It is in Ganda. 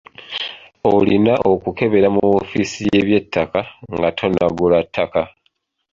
Olina okukebera mu woofisi y'ebyettaka nga tonnagula ttaka.